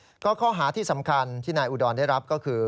แล้วก็ข้อหาที่สำคัญที่นายอุดรได้รับก็คือ